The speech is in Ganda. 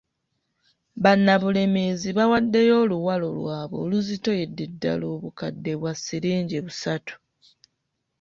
Bannabulemeezi bawaddeyo oluwalo lwabwe oluzitoyedde ddala obukadde bwa ssiringi busatu.